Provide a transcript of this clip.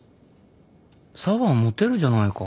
紗和はモテるじゃないか。